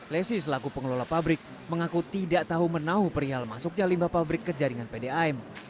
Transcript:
lesi selaku pengelola pabrik mengaku tidak tahu menahu perihal masuknya limbah pabrik ke jaringan pdam